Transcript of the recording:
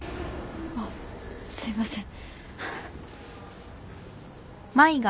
あっすいません。